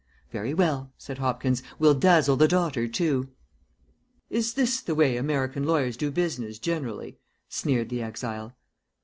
"Very well," said Hopkins. "We'll dazzle the daughter too." "Is this the way American lawyers do business generally?" sneered the exile.